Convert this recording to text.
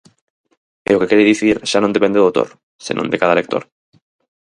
E o que quere dicir xa non depende do autor, senón de cada lector.